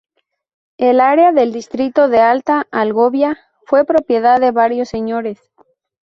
El área del distrito de Alta Algovia fue propiedad de varios Señores.